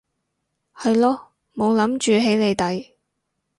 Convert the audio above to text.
係囉冇諗住起你底